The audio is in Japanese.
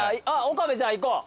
岡部じゃあいこう。